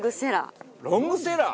ロングセラー。